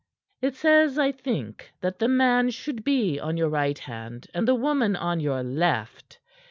"It says, I think, that the man should be on your right hand and the woman on your left.